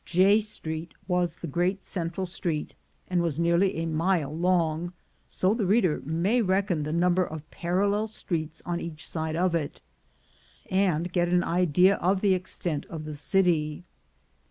J Street was the great central street, and was nearly a mile long; so the reader may reckon the number of parallel streets on each side of it, and get an idea of the extent of the city.